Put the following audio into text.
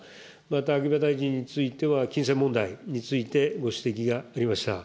また秋葉大臣については、金銭問題についてご指摘がありました。